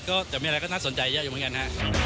ก็จะมีอะไรก็น่าสนใจเยอะอยู่เหมือนกันฮะ